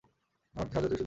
আমার সাহায্য শুধু দূর হইতে।